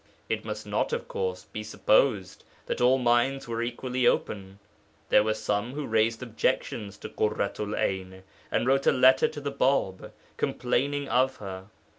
It must not, of course, be supposed that all minds were equally open. There were some who raised objections to Ḳurratu'l 'Ayn, and wrote a letter to the Bāb, complaining of her.